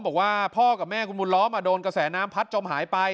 บอกว่าพ่อกับแม่คุณบุญล้อมโดนกระแสน้ำพัดจมหายไป